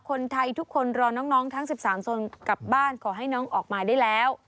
คนไทยทุกคนรอน้องทั้ง๑๓คนกลับบ้านขอให้น้องออกมาได้แล้ว